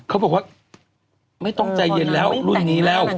เขาบอกว่าไม่ต้องใจเย็นแล้วรุ่นนี้แล้ว